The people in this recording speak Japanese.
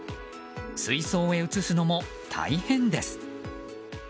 水槽へ移すのも大変です。